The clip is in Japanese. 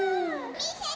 みせて！